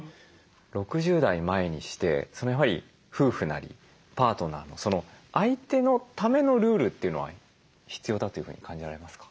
６０代前にしてやはり夫婦なりパートナーの相手のためのルールというのは必要だというふうに感じられますか？